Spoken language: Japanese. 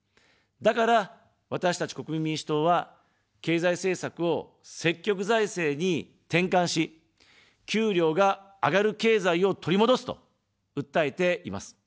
だから、私たち国民民主党は、経済政策を積極財政に転換し、給料が上がる経済を取り戻すと訴えています。